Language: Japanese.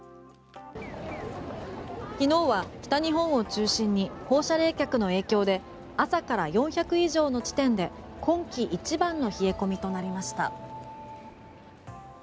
昨日は北日本を中心に放射冷却の影響で朝から４００以上の地点で今季一番の冷え込みとなりました。